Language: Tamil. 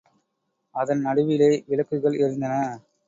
அதன் நடுவிலே விளக்குகள் எரிந்தன.